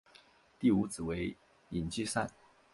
第五子为尹继善。